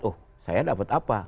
oh saya dapat apa